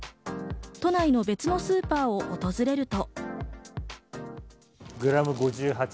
都内の別のスーパーを訪れると。